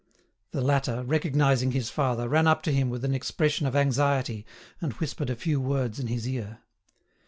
The latter, recognising his father, ran up to him with an expression of anxiety and whispered a few words in his ear.